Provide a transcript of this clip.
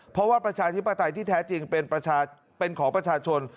เพราะว่าประชาธิปไตยที่แท้จริงเป็นของประชาชน